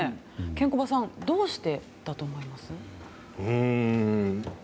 ケンコバさんどうしてだと思います？